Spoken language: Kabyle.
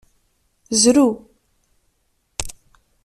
Zrew!